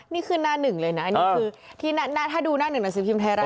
นี่คือหน้าหนึ่งเลยนะถ้าดูหน้าหนึ่งหนักสิทธิพิมพ์ไทยรัฐ